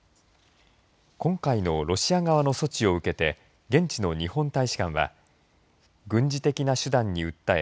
今回のロシア側の措置を受けて現地の日本大使館は軍事的な手段に訴え